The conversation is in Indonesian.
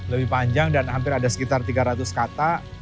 lebih panjang dan hampir ada sekitar tiga ratus kata